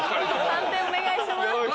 判定お願いします。